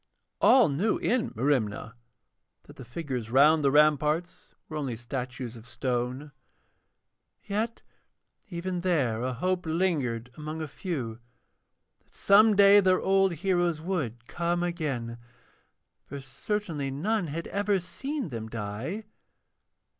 All knew in Merimna that the figures round the ramparts were only statues of stone, yet even there a hope lingered among a few that some day their old heroes would come again, for certainly none had ever seen them die.